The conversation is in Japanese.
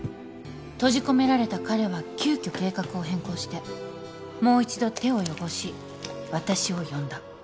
閉じ込められた彼は急きょ計画を変更してもう一度手を汚し私を呼んだ。